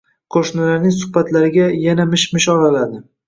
Qo`shnilarning suhbatlariga yana mish-mish oraladi